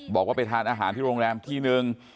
บอกว่าไปทานอาหารที่โรงแรมที่นึง